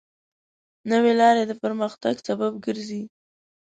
نوې لارې د پرمختګ سبب ګرځي.